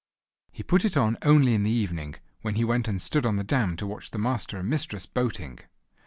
He put it on only in the evening, when he went and stood on the dam to watch the Master and Mistress boating.